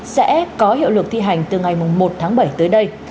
sẽ có hiệu lực thi hành từ ngày một tháng bảy tới đây